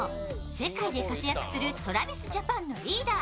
世界で活躍するＴｒａｖｉｓＪａｐａｎのリーダー